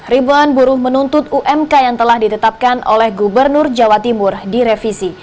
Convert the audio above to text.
ribuan buruh menuntut umk yang telah ditetapkan oleh gubernur jawa timur direvisi